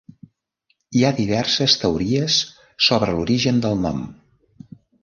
Hi ha diverses teories sobre l'origen del nom.